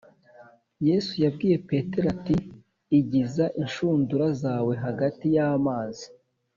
yesu yabwiye petero ati igiza inshundura zawe hagati y’amazi